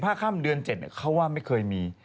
ถ้าค่ำเดือน๗เขาว่าไม่เคยมี